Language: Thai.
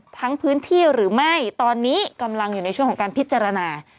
พื้นที่หรือไม่ตอนนี้กำลังอยู่ในช่วงของการพิจารณา